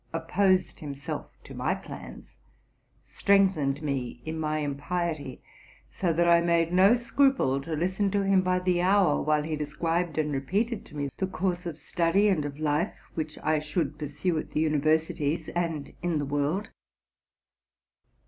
opposed himself to my plans, strengthened me in my impiety; so that I made no scruple to listen to him by the hour, while he described and repeated to me the course of study and of life which I should pursue at the universities and in the world.